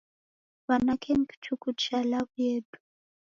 W'anake ni kichuku cha law'u yedu.